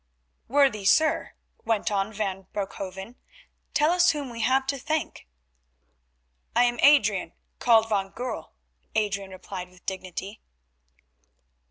"Worthy sir," went on Van Broekhoven, "tell us whom we have to thank." "I am Adrian, called Van Goorl," Adrian replied with dignity.